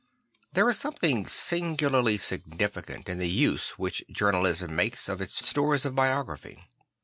There is something singularly significant in the use which journalism makes of its stores of biography.